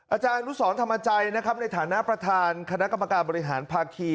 อาจารย์อนุสรธรรมจัยนะครับในฐานะประธานคณะกรรมการบริหารภาคี